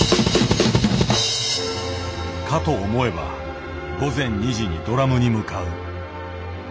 かと思えば午前２時にドラムに向かう。